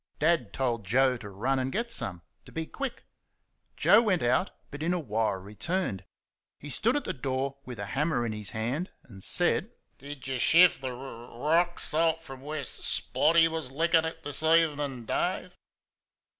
Dad told Joe to run and get some to be quick. Joe went out, but in a while returned. He stood at the door with the hammer in his hand and said: "Did you shift the r r r rock salt from where S Spotty was lickin' it this evenin', Dave?"